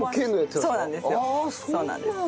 そうなんですよ。